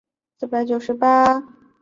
他在万历元年晋封庆王。